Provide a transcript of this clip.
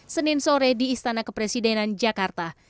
senin sore di istana kepresidenan jakarta